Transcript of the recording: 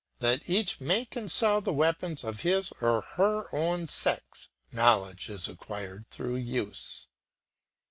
Let each make and sell the weapons of his or her own sex; knowledge is acquired through use.